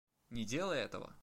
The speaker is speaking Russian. Не делай этого!